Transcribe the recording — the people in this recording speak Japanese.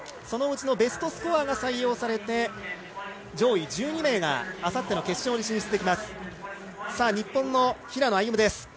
そのうちのベストスコアが採用されて、上位１２名があさっての決勝に進出できます。